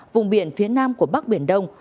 vùng biển phía nam của bắc biển đông